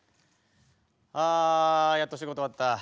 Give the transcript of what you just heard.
あやっと仕事終わった。